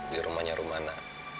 di rumahnya rumah mana